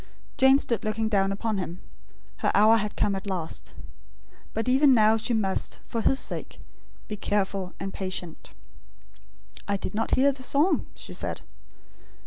Jane stood looking down upon him. Her hour had come at last. But even now she must, for his sake, be careful and patient. "I did not hear the song," she said.